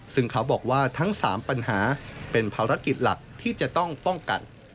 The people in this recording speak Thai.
ซึ่งเขาบอกว่าทั้ง๓ปัญหาเป็นภารกิจหลักที่จะต้องป้องกัน